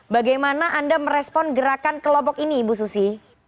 bagaimana anda merespon gerakan kelompok ini ibu susi